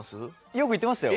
よく行ってましたよ。